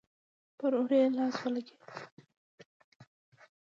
پر اوږه يې لاس ولګېد.